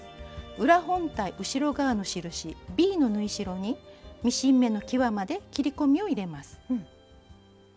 裏本体後ろ側の印ｂの縫い代にミシン目のきわまで切り込みを入れます。